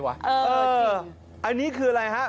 อันนี้คืออะไรครับ